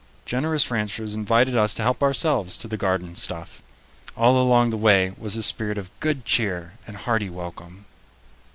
Generous ranchers invited us to help ourselves to their garden stuff. All along the way was a spirit of good cheer and hearty welcome.